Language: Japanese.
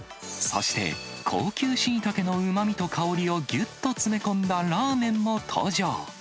そして、高級シイタケのうまみと香りをぎゅっと詰め込んだラーメンも登場。